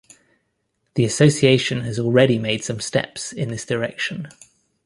The association has already made some steps in this direction.